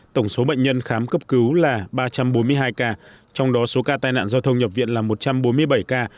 tổng số bệnh nhân khám cấp cứu là ba trăm bốn mươi hai ca trong đó số ca tai nạn giao thông nhập viện là một trăm bốn mươi bảy ca